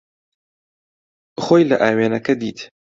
خۆی لە ئاوێنەکە دیت.